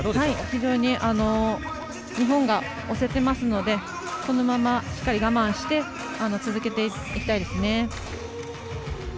非常に日本が押せていますのでこのまま、しっかり我慢して続けていきたいです。